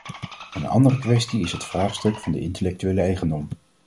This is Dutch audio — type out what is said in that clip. Een andere kwestie is het vraagstuk van de intellectuele eigendom.